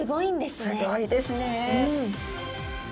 すギョいですね。